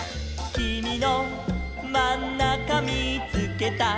「きみのまんなかみーつけた」